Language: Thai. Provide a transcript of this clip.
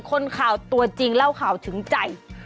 คนข่าวตัวจริงเล่าข่าวถึงใจ